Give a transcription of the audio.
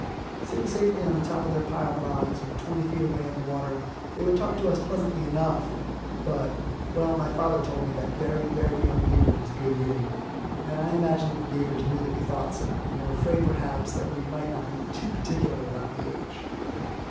Sitting safely on the top of their piled logs, or twenty feet away in the water, they would talk to us pleasantly enough; but well, my father told me that young, very young, beaver was good eating, and I imagine that the beavers knew that we thought so, and were afraid, perhaps, that we might not be too particular about the age.